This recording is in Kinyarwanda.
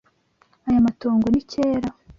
Aya matongo ni kera.